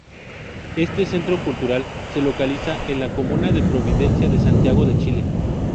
Este centro cultural se localiza en la comuna de Providencia de Santiago de Chile.